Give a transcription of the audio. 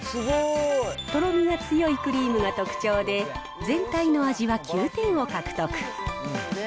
とろみが強いクリームが特徴で、全体の味は９点を獲得。